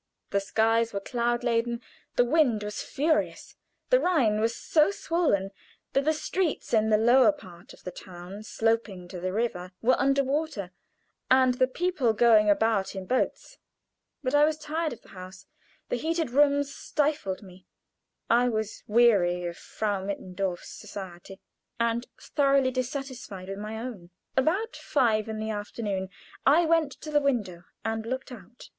The skies were cloud laden, the wind was furious. The Rhine was so swollen that the streets in the lower part of the town sloping to the river were under water, and the people going about in boats. But I was tired of the house; the heated rooms stifled me. I was weary of Frau Mittendorf's society, and thoroughly dissatisfied with my own. About five in the afternoon I went to the window and looked out.